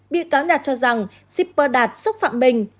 bị cáo đạt cho rằng shipper đạt xúc phạm mình